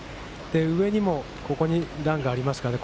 上にもここに段がありますからね。